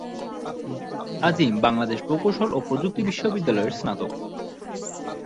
আজিম বাংলাদেশ প্রকৌশল ও প্রযুক্তি বিশ্ববিদ্যালয়ের স্নাতক।